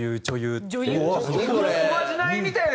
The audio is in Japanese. おまじないみたいなやつ！